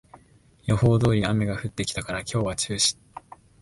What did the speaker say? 予報通り雨が降ってきたから今日は中止